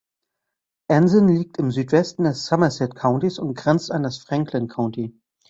Anson liegt im Südwesten des Somerset Countys und grenzt an das Franklin County.